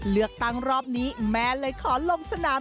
เลือกตั้งรอบนี้แม่เลยขอลงสนาม